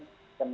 jadi mereka yang